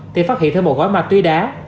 thì phát hiện thêm một gói ma túy đá